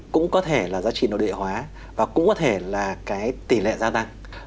cũng có thể là giá trị nội địa hóa và cũng có thể là cái tỷ lệ gia tăng